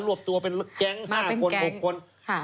วบตัวเป็นแก๊ง๕คน๖คน